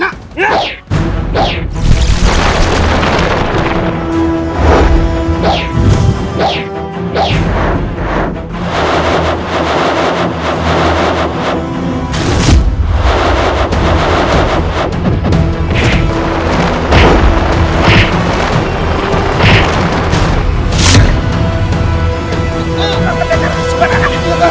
saya akan menyebrangkan mereka